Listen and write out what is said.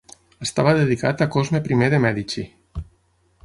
Estava dedicat a Cosme I de Mèdici.